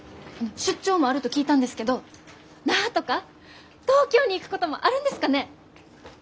出張もあると聞いたんですけど那覇とか東京に行くこともあるんですかね？